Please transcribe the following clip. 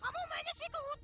bagian kamu tidak mau ikut